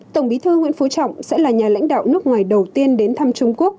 tổng bí thư nguyễn phú trọng sẽ là nhà lãnh đạo nước ngoài đầu tiên đến thăm trung quốc